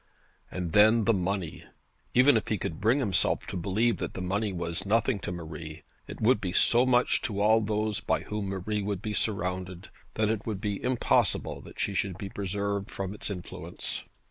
And then the money! Even if he could bring himself to believe that the money was nothing to Marie, it would be so much to all those by whom Marie would be surrounded, that it would be impossible that she should be preserved from its influence.